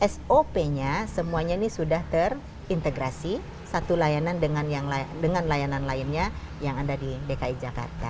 sop nya semuanya ini sudah terintegrasi satu layanan dengan layanan lainnya yang ada di dki jakarta